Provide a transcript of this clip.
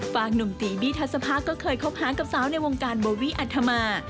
ฝั่งหนุ่มตีบี้ทัศภาก็เคยคบหากับสาวในวงการโบวี่อัธมา